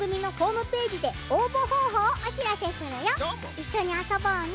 いっしょにあそぼうね。